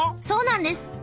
そうなんです！